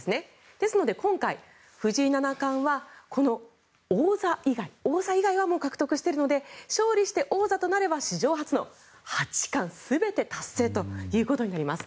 ですので今回、藤井七冠はこの王座以外はもう獲得しているので勝利して王座となれば史上初の八冠全て達成ということになります。